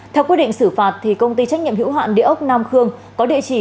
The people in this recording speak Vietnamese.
theo quyết định xử phạt công ty trách nhiệm hữu hạn địa ốc nam khương có địa chỉ